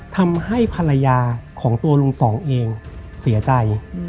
ทำให้ภรรยาของตัวลุงสองเองเสียใจ